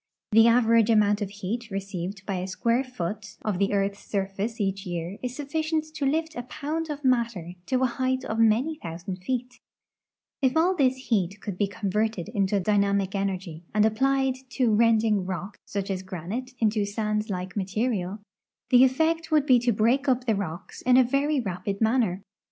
The average amount of heat received by a square foot of the earth's 32S THE ECONOMIC ASPECTS OF SOIL EROSION 329 surface eacli year is sufficient to lift a pound of matter to a height of many thousand feet. If all this heat could be con verted into dynamic energy and applied to rending rock, such as granite, into sand like material, the effect would be to break up the rocks in a very rapid manner.